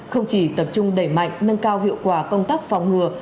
không chỉ tập trung đẩy mạnh nâng cao hiệu quả công tác phòng ngừa